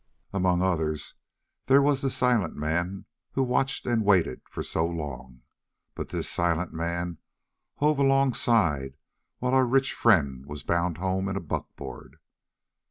"Among others there was the silent man who'd watched and waited for so long. But this silent man hove alongside while our rich friend was bound home in a buckboard.